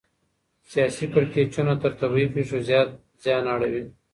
سياسي کړکېچونه تر طبيعي پېښو زيات زيان اړوي.